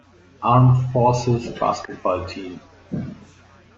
Armed Forces Basketball Team".